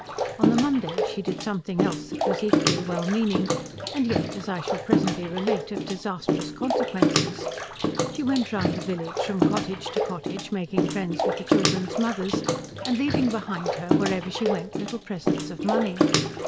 On the Monday she did something else that was equally well meaning, and yet, as I shall presently relate, of disastrous consequences: she went round the village from cottage to cottage making friends with the children's mothers and leaving behind her, wherever she went, little presents of money.